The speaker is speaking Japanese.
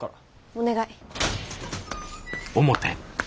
お願い。